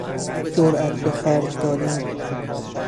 جرئت به خرج دادن